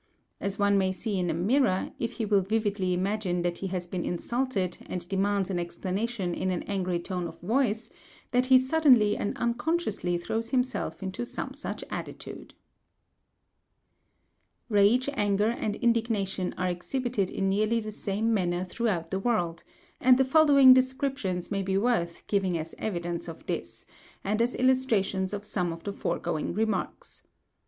Any one may see in a mirror, if he will vividly imagine that he has been insulted and demands an explanation in an angry tone of voice, that he suddenly and unconsciously throws himself into some such attitude. Anger and Indignation. Plate VI Rage, anger, and indignation are exhibited in nearly the same manner throughout the world; and the following descriptions may be worth giving as evidence of this, and as illustrations of some of the foregoing remarks.